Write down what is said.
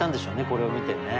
これを見てね。